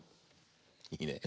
いいね。